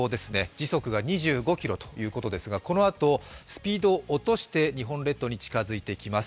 時速が２５キロということですがこのあとスピードを落として日本列島に近付いてきます。